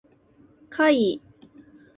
怪異